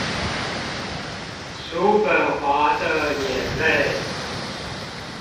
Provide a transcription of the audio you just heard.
叔本華的眼淚